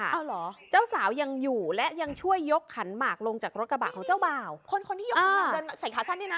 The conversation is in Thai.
เอาเหรอเจ้าสาวยังอยู่และยังช่วยยกขันหมากลงจากรถกระบะของเจ้าบ่าวคนคนที่ยกขึ้นมาเดินใส่ขาสั้นเนี่ยนะ